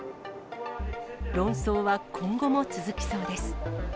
論争は今後も続きそうです。